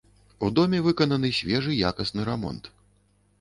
У доме выкананы свежы якасны рамонт.